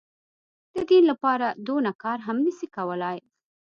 د دين لپاره دونه کار هم نه سي کولاى.